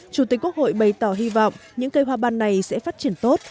chủ tịch quốc hội bày tỏ hy vọng những cây hoa ban này sẽ phát triển tốt